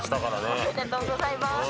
おめでとうございます。